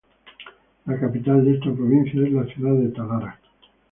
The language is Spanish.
La Capital de esta provincia es la ciudad de Talara.